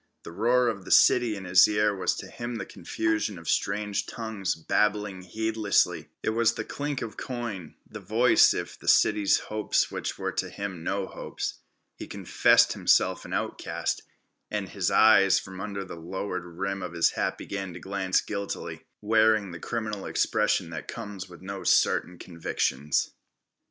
The roar of the city in his ear was to him the confusion of strange tongues, babbling heedlessly; it was the clink of coin, the voice if the city's hopes which were to him no hopes. He confessed himself an outcast, and his eyes from under the lowered rim of his hat began to glance guiltily, wearing the criminal expression that comes with certain convictions.